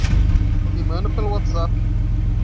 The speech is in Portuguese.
Me manda pelo Whatsapp